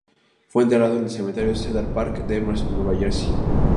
Fue enterrado en el Cementerio Cedar Park de Emerson, Nueva Jersey.